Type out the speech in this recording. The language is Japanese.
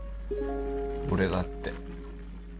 俺だって。